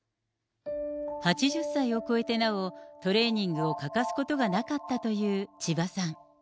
８０歳を超えてなお、トレーニングを欠かすことがなかったという千葉さん。